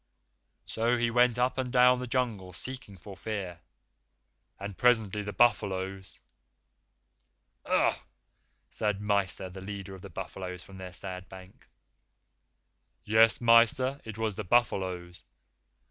So we went up and down the Jungle seeking for Fear, and presently the buffaloes " "Ugh!" said Mysa, the leader of the buffaloes, from their sand bank. "Yes, Mysa, it was the buffaloes.